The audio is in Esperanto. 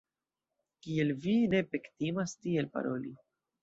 Kiel vi ne pektimas tiel paroli!